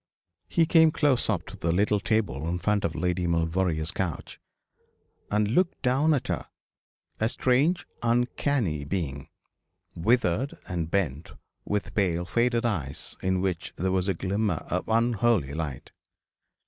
He came close up to the little table in front of Lady Maulevrier's couch, and looked down at her, a strange, uncanny being, withered and bent, with pale, faded eyes in which there was a glimmer of unholy light.